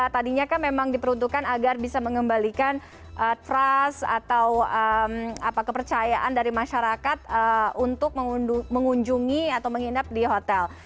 tadinya kan memang diperuntukkan agar bisa mengembalikan trust atau kepercayaan dari masyarakat untuk mengunjungi atau menginap di hotel